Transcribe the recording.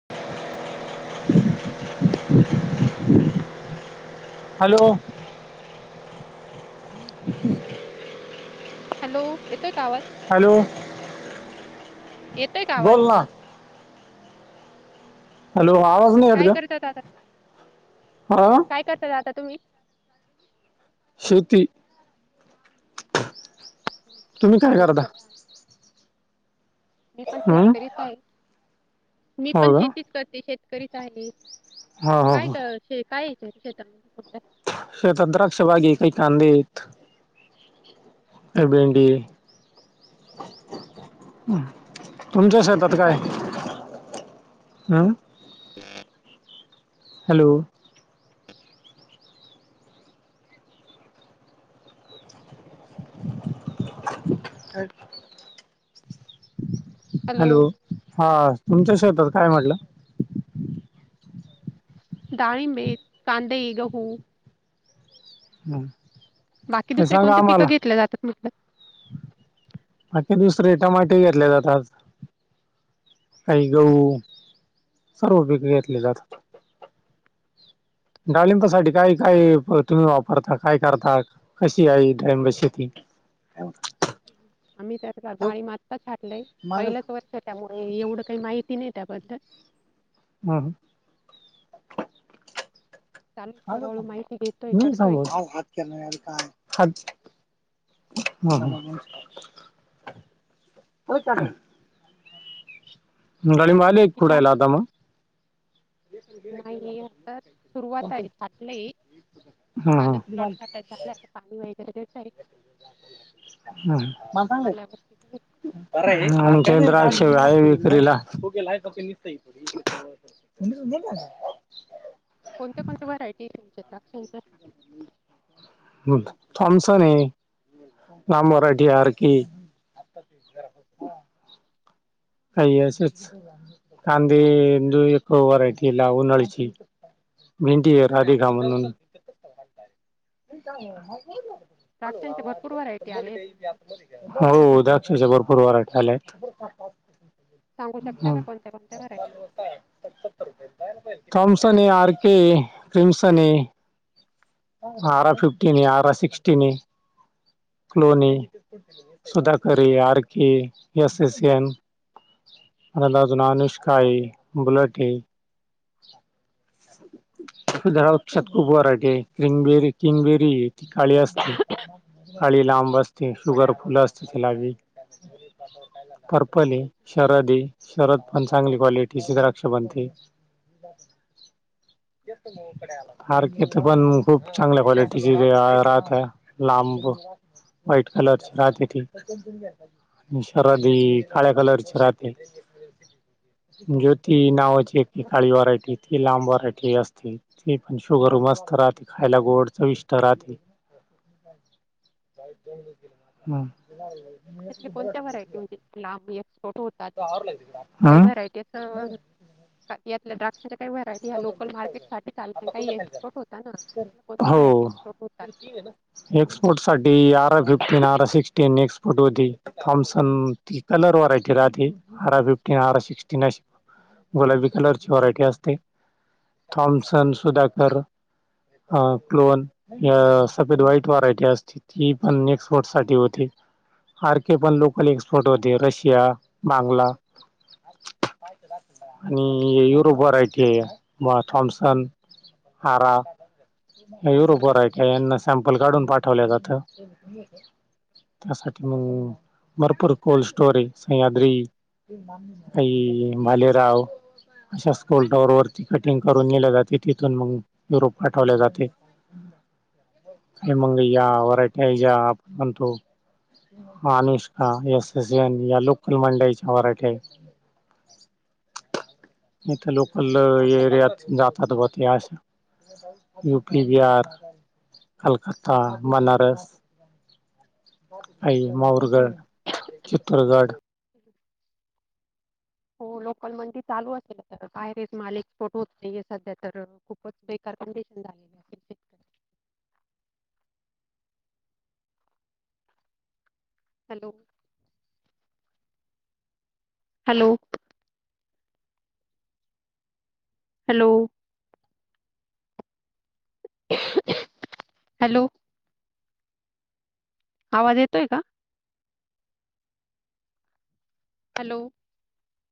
[inaudible] [inaudible] Hello! Hello, येतोय का आवाज? हॅलो. येतंय का आवाज? बोल ना हॅलो आवाज नाही येत काय गं. करतात आता हां. काय करता दादा तुम्ही? श्रुती. एक तर मी पण हं? शेतकरीच आहे. मी हो पण का शेतीच करते शेतकरीच आहे,, हो हो काय हो कर शेत काय येतंय शेतामध्ये सध्या? शेतात द्राक्ष बाग आहे, काही कांदे आहेत. काय भेंडी ये, तुमच्या शेतात काय? बाकी हां? [inaudible] हॅलो. हॅलो. हॅलो, हा, तुमच्या शेतात काय म्हटलं? डाळींब येत, कांदे, गहू हां. बाकी दुसरी कोणते पिकं घेतल्या जातात म्हटलं? बाकी दुसरे टमाटे घेतल्या जातात. काही गहू, सर्व पिके घेतली जातात. डाळिंबासाठी काय -काय तुम्ही वापरता? काय करता? कशी आहे डाळिंबाची शेती? आम्ही त्यात आळी मातताच छाटलयं, पहिलंच वर्ष त्यामुळे एवढं काही माहिती नाही त्याबद्दल. हा हां. चालू हळूहळू माहिती घेतोय मीच [unintelligible] करतोय हॅलो, हा हा. [inaudible] डाळींब आले का बाकी खुडायला द्राक्ष आता म? नाही आता सुरुवात आहे, छाटलंय हम्म कालच प्लॉट झाटाय झालायं, आता पाणी वगैरे देऊन हां हां. आल्यावरती बघू आमचे ही द्राक्षे आहे विक्रीला. [unintelligible] कोणत्या कोणत्या व्हरायटी ये तुमच्या द्राक्षांच्या? थॉमसन ये. नाम व्हरायटी, आर के. [inaudible] काही असंच. कांंदे इंदू एक व्हरायटी ये उन्हाळीची, भेंडी राधिका म्हणून. [inaudible] द्राक्षांच्या भरपूर व्हरायटी आले आहेत ना आता? हो द्राक्षांच्या भरपूर व्हरायटी आल्यात. सांगू शकता का हं. कोणत्या कोणत्या व्हरायटी थमसनी, आर केे, क्रिमसनी आरा फिफ्टीन ये, आरा सिक्स्टीन ये. क्लोनी, सुधाकरी, R K, S S N. आणिं आजून अनुष्का ये, बुलटी ये. [inaudible] त्या [unintelligible] खूप वरायटी ये, क्रिंगबेरी- किंगबेरी ये. ती काळी असती, काळी लांब असती, शुगर फुल असती तीला बी. पर्पल ये, शरद ये, शरद पण चांगली क्वालिटी [unintelligible] [unintelligible] आर के त पण खूप चांगल्या क्वालिटीची राहत ये लांब व्हाईट कलरची राहते ते. शर्वाात काळ्या कलरची राहाते. ज्योती नावाची एक काळी व्हरायटी ती लांब व्हरायटी असते. पण शुगर मस्त राहते. खायला गोडच चवीष्ठ राहते. हो. [inaudible] त्यातल्या कोणत्या व्हरायटी म्हणजे लांब एक्सपोर्ट होतात, काही हम्म व्हरायटी असं, का यातल्या द्राक्षाच्या काही व्हरायटी या लोकल मार्केट साठी चाल काही एक्सपोर्ट होता ना, कोणत व्हरायटी हो एक्सपोर्ट होता? एक्सपोर्ट साठी आरा फिफ्टीन आरा सिक्सटीन एक्सपोर्ट होती. थॉम्सन, ती कलर व्हेरायटी राहती आर फिफ्टीन आर सिक्स्टीन अशी गुलाबी कलर ची व्हरायटी असते. थॉमसन सुधाकर. अ क्लोन सफेद व्हाईट व्हेरायटी असते. ती पण नेक्स्ट वर्ष साठी होती. सारखे पण लोकल एक्सपोर्ट होते रशिया, बांगला. आणि युरोप व्हेरायटी आहे थॉम्सन [inaudible] का यांना सॅम्पल काढून पाठवल्या जात. त्यासाठी मग भरपूर कोल्ड स्टोर आहे सह्याद्री. का भालेराव अशा स्कूल टॉवर वरती कटिंग करून नेल्या जाते. मग युरोप पाठवले जाते. काई वरटय [inaudible] म्हणतो, अनुष्का एस एस एन या लोकल मंडईच्या व्हेरायट्या लोकंल एरियात जातात ग ते अश यू पी, बिहार, कलक्कता, बनारस. आई माहुरगड, चित्तुरगड, ह् [inaudible] हो लोकल मंडी चालू असेल, तर बाहेरेच माल एक्सपोर्ट होत नाहीये सध्या तर, खूपच बेकार कंडिशन झालेली अस शेतकरी. हॅलो! हॅलो! हॅलो! हॅलो! आवाज येतोय का? हॅलो!